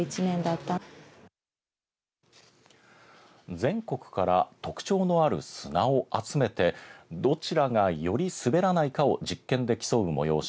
全国から特徴のある砂を集めてどちらがよりすべらないかを実験で競う催し